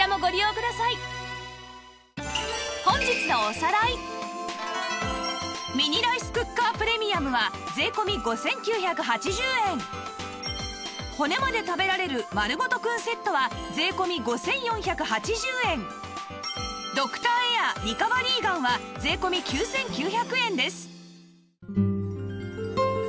さらにミニライスクッカープレミアムは税込５９８０円骨まで食べられるまるごとくんセットは税込５４８０円ドクターエアリカバリーガンは税込９９００円です